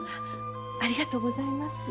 ありがとうございます。